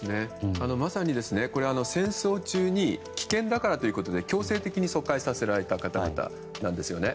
まさに戦争中に危険だからということで強制的に疎開させられた方々なんですね。